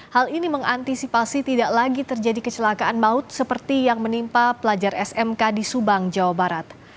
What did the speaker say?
hal ini mengantisipasi tidak lagi terjadi kecelakaan maut seperti yang menimpa pelajar smk di subang jawa barat